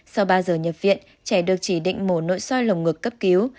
sau ba giờ nhập viện trẻ được chỉ định mổ nội soi lồng ngực cấp cứu